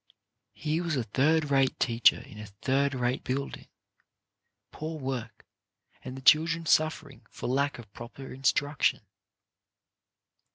Here was a third rate teacher in a third rate building, poor RIGHT NAMES 69 work, and the children suffering for lack of proper instruction.